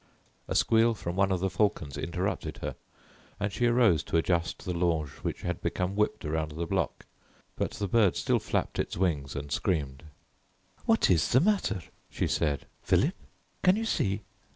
A squeal from one of the falcons interrupted her, and she arose to adjust the longe which had become whipped about the bloc, but the bird still flapped its wings and screamed. "What is the matter?" she said. "Philip, can you see?"